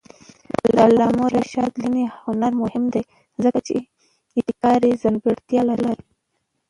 د علامه رشاد لیکنی هنر مهم دی ځکه چې ابتکاري ځانګړتیاوې لري.